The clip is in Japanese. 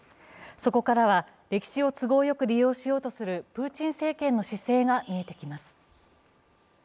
そこからは歴史を都合よく利用しようとするプーチン政権の姿勢が見えてきます。